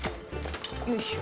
よいしょ。